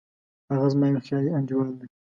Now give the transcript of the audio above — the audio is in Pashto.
هغه زما یو خیالي انډیوال دی